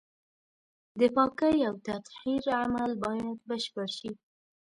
د پاکۍ او تطهير عمل بايد بشپړ شي.